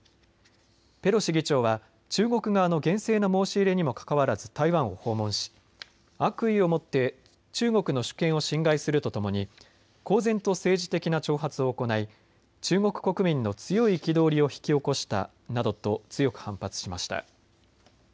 ペロシ議長は中国側の厳正な申し入れにもかかわらず台湾を訪問し、悪意を持って中国の主権を侵害するとともに公然と政治的な挑発を行い中国国民の強い憤りを引き起こしたなどと強く反発しました。